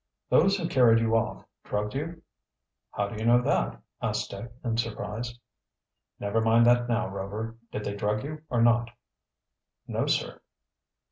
"Those who carried you off drugged you." "How do you know that?" asked Dick, in surprise. "Never mind that now, Rover. Did they drug you or not?" "No, sir."